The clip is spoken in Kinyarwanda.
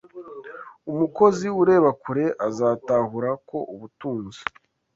umukozi ureba kure azatahura ko ubutunzi